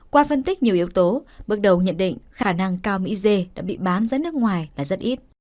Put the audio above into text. qua phân tích nhiều yếu tố bước đầu nhận định khả năng cao mỹ dê đã bị bán ra nước ngoài là rất ít